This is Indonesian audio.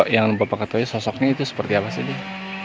yang bapak ketahui sosoknya itu seperti apa sih dia